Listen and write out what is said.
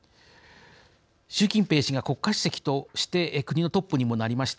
習近平氏が国家主席として国のトップにもなりました